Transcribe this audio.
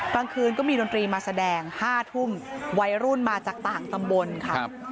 กลางคืนก็มีดนตรีมาแสดง๕ทุ่มวัยรุ่นมาจากต่างตำบลค่ะ